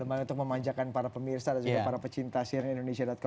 lumayan untuk memanjakan para pemirsa dan juga para pecinta sianindonesia com